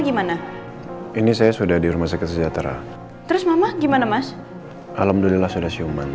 gimana ini saya sudah di rumah sakit sejahtera terus mama gimana mas alhamdulillah sudah siuman